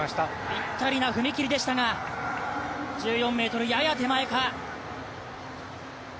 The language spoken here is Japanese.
ぴったりな踏み切りでしたが１４ｍやや手前か。